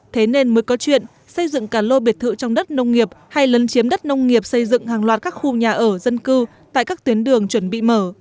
thế nên mới có chuyện xây dựng cả lô biệt thự trong đất nông nghiệp hay lấn chiếm đất nông nghiệp xây dựng hàng loạt các khu nhà ở dân cư tại các tuyến đường chuẩn bị mở